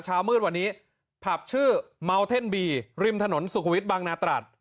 เช้ามืดวันนี้ผับชื่อเมาเท่นบีริมถนนสุขุวิตบางนาตรัส